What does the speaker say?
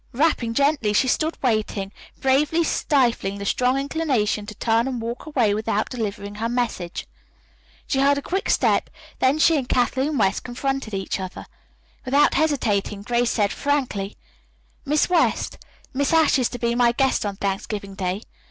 Rapping gently, she stood waiting, bravely stifling the strong inclination to turn and walk away without delivering her message. She heard a quick step; then she and Kathleen West confronted each other. Without hesitating, Grace said frankly: "Miss West, Miss Ashe is to be my guest on Thanksgiving Day.